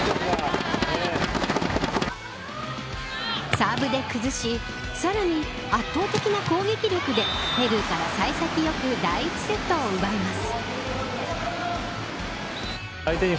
サーブで崩しさらに圧倒的な攻撃力でペルーから幸先良く第１セットを奪います。